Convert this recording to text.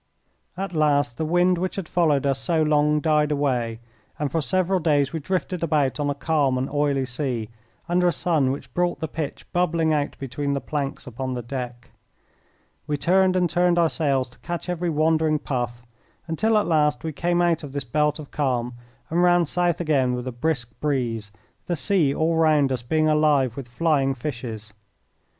At last the wind which had followed us so long died away, and for several days we drifted about on a calm and oily sea, under a sun which brought the pitch bubbling out between the planks upon the deck. We turned and turned our sails to catch every wandering puff, until at last we came out of this belt of calm and ran south again with a brisk breeze, the sea all round us being alive with flying fishes.